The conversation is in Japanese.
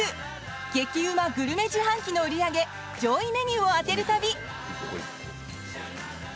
激うまグルメ自販機の売り上げ上位メニューを当てる旅。